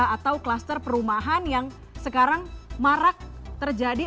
atau kluster perumahan yang sekarang marak terjadi